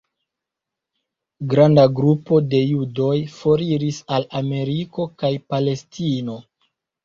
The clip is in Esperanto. Granda grupo de judoj foriris al Ameriko kaj Palestino.